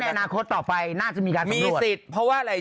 ดำเนินคดีต่อไปน่าจะมีการสำรวจ